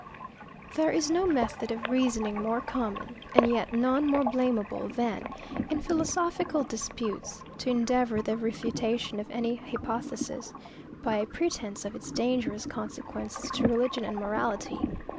There is no method of reasoning more common, and yet none more blameable, than, in philosophical disputes, to endeavour the refutation of any hypothesis, by a pretence of its dangerous consequences to religion and morality.